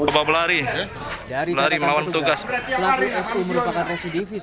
dari tempat tukang pelaku su merupakan residivis